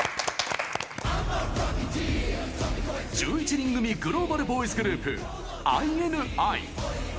１１人組グローバルボーイズグループＩＮＩ。